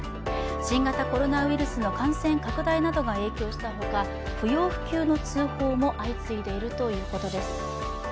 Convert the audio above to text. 新型コロナウイルスの感染拡大などが影響したほか、不要不急の通報も相次いでいるということです。